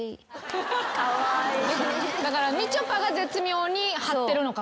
だからみちょぱが絶妙に張ってるのかもしれない。